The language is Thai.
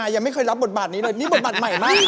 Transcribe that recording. เจดทานีเพื่ออะไร